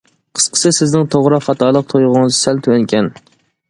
قىسقىسى، سىزنىڭ توغرا-خاتالىق تۇيغۇڭىز سەل تۆۋەنكەن.